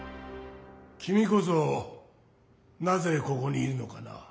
きみこそなぜここにいるのかな？